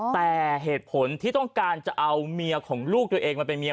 แต่เหตุผลที่ต้องการจะเอาเมียของลูกตัวเองมาเป็นเมีย